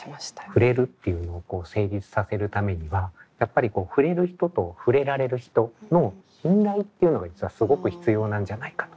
ふれるっていうのを成立させるためにはやっぱりふれる人とふれられる人の信頼っていうのが実はすごく必要なんじゃないかと。